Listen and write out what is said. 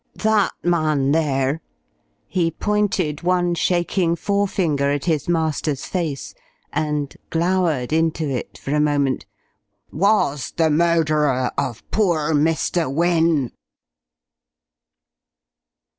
That man there" he pointed one shaking forefinger at his master's face, and glowered into it for a moment "was the murderer of poor Mr. Wynne!"